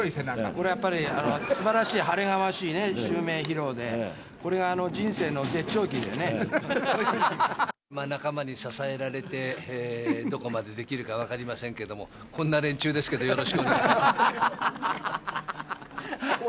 これはやっぱり、すばらしい晴れがましい襲名披露で、これ、仲間に支えられて、どこまでできるか分かりませんけれども、こんな連中ですけど、よろしくお願いします。